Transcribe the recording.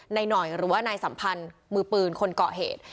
หน่อยหรือว่านายสัมพันธ์มือปืนคนเกาะเหตุ